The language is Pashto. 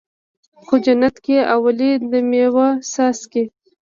خو جنت کې اولي د مَيو څاڅکی